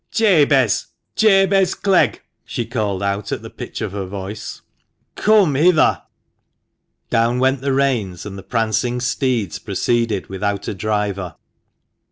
"Jabez, Jabez Clegg!" she called out at the pitch of her voice, "come hither." THE MANCHESTER MAN. gi Down went the reins, and the prancing steeds proceeded without a driver.